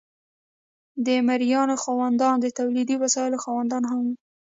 د مرئیانو خاوندان د تولیدي وسایلو خاوندان هم وو.